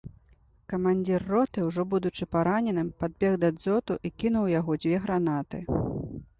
Камандзір роты, ужо будучы параненым, падбег да дзоту, і кінуў у яго дзве гранаты.